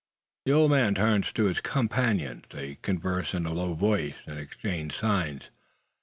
The old man turns to his companions. They converse in a low voice, and exchange signs.